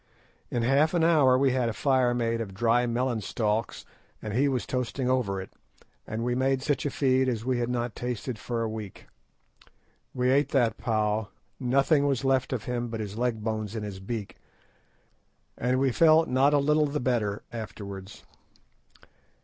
In half an hour we had a fire made of dry melon stalks, and he was toasting over it, and we made such a feed as we had not tasted for a week. We ate that pauw; nothing was left of him but his leg bones and his beak, and we felt not a little the better afterwards.